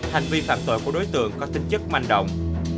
hành vi phạm tội của đối tượng có tính chất manh động